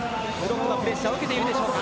プレッシャーを受けているでしょうか。